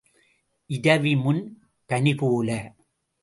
இரவிமுன் பணி போல.